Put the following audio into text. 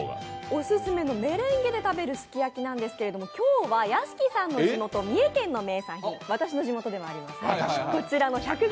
オススメで食べるメレンゲで食べるすき焼きなんですけれども、今日は屋敷さんの地元・三重県の名産品私の地元でもありますね、こちらの１００ｇ